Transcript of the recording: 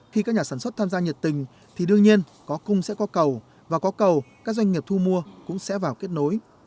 khi các nhà sản xuất tham gia nhiệt tình thì đương nhiên có cung sẽ có cầu và có cầu các doanh nghiệp thu mua cũng sẽ vào kết nối